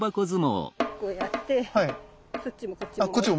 こうやってそっちもこっちも持って。